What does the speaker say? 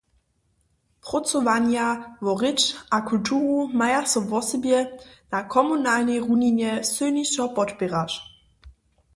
Prócowanja wo rěč a kulturu maja so wosebje na komunalnej runinje sylnišo podpěrać.